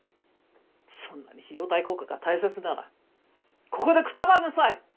そんなに費用対効果が大切ならここでくたばんなさい！